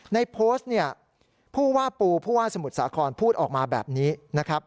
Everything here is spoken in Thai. ในโพสต์เนี่ยผู้ว่าปูผู้ว่าสมุทรสาครพูดออกมาแบบนี้นะครับ